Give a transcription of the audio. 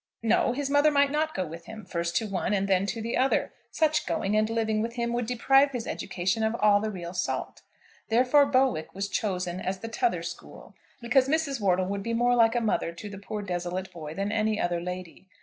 No; his mother might not go with him, first to one, and then to the other. Such going and living with him would deprive his education of all the real salt. Therefore Bowick was chosen as the t'other school, because Mrs. Wortle would be more like a mother to the poor desolate boy than any other lady.